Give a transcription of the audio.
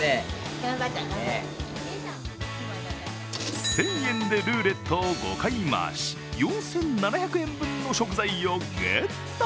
１０００円でルーレットを５回回し、４７００円分の食材をゲット！